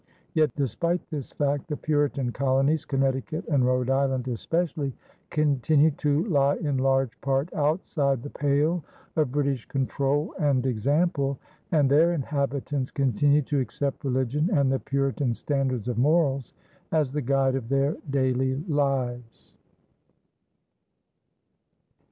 Yet, despite this fact, the Puritan colonies Connecticut and Rhode Island especially continued to lie in large part outside the pale of British control and example, and their inhabitants continued to accept religion and the Puritan standards of morals as the guide of their daily lives.